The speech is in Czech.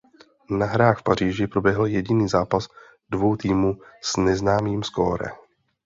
Na hrách v Paříži proběhl jediný zápas dvou týmů s neznámým skóre.